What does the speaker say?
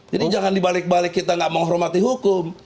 jadi jangan dibalik balik kita gak menghormati hukum